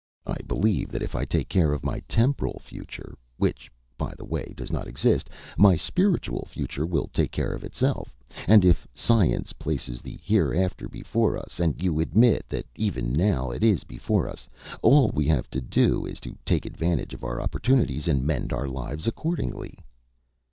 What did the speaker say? I believe that if I take care of my temporal future which, by the way, does not exist my spiritual future will take care of itself; and if science places the hereafter before us and you admit that even now it is before us all we have to do is to take advantage of our opportunities, and mend our lives accordingly."